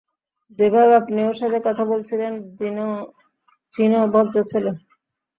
যেভাবে আপনি ওর সাথে কথা বলেছিলেন, চিনো ভদ্র ছেলে।